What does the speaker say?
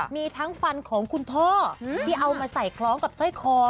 มีทั้งฟันของคุณพ่อที่เอามาใส่คล้องกับสร้อยคอ